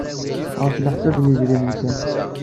Ɣef leḥsab n yidrimen kan.